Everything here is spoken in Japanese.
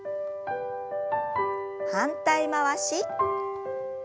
反対回し。